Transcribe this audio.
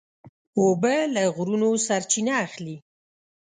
اوبه له غرونو سرچینه اخلي.